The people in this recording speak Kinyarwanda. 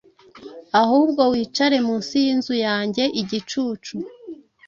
ahubwo wicare munsi yinzu yanjye igicucu